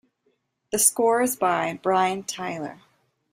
The score is by Brian Tyler.